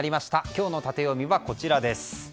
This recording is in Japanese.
今日のタテヨミはこちらです。